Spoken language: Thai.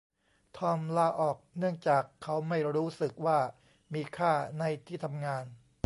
ทอมลาออกเนื่องจากเขาไม่รู้สึกว่ามีค่าในที่ทำงาน